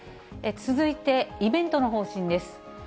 続いてイベントの方針です。